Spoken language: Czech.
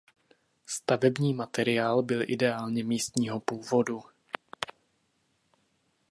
Stavební materiál byl ideálně místního původu.